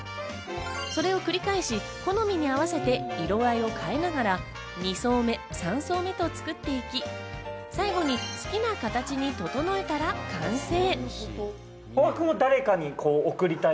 それを繰り返し、好みに合わせて色合いを変えながら２層目、３層目と作っていき、最後に好きな形に整えたら完成。